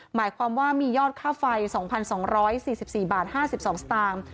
หมายความว่ามียอดค่าไฟ๒๒๔๔บาท๕๒สตางค์